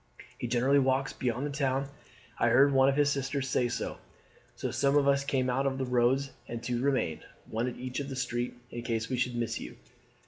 He generally walks beyond the town. I heard one of his sisters say so.' So some of us came out on all the roads, and two remained, one at each end of the street, in case we should miss you.